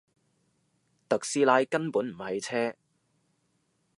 特斯拉根本唔係車